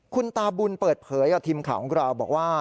คุณตาบุญเปิดเผยกับทีมข่าวของเราบอกว่า